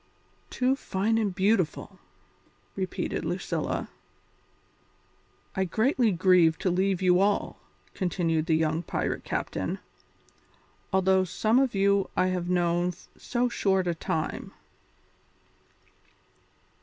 "Too fine and beautiful!" repeated Lucilla. "I greatly grieve to leave you all," continued the young pirate captain, "although some of you I have known so short a time.